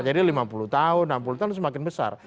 jadi lima puluh tahun enam puluh tahun semakin besar